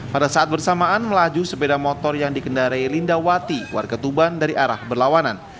pada saat bersamaan melaju sepeda motor yang dikendarai linda wati warga tuban dari arah berlawanan